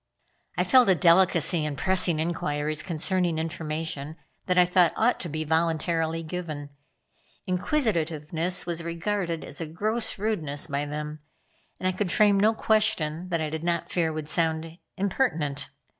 I felt a delicacy in pressing inquiries concerning information that I thought ought to be voluntarily given. Inquisitiveness was regarded as a gross rudeness by them, and I could frame no question that I did not fear would sound impertinent.